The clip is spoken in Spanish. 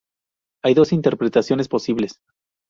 Hay dos interpretaciones posibles.